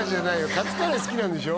カツカレー好きなんでしょ？